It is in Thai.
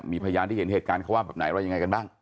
มีพยานที่เห็นเหตุการณ์เขาว่าแบบไหนว่ายังไงกันบ้าง